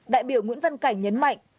đại biểu nguyễn văn cảnh nhấn mạnh